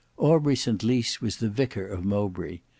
Aubrey St Lys was the vicar of Mowbray.